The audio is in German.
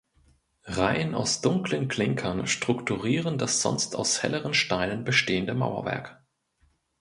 Reihen aus dunklen Klinkern strukturieren das sonst aus helleren Steinen bestehende Mauerwerk.